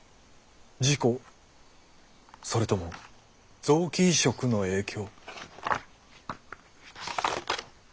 事故それとも臓器移植の影響。